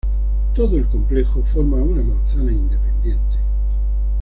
Todo el complejo forma una manzana independiente.